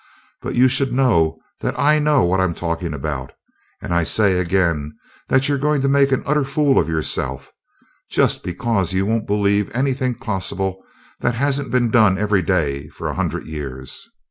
But you should know that I know what I'm talking about, and I say again that you're going to make an utter fool of yourself; just because you won't believe anything possible, that hasn't been done every day for a hundred years.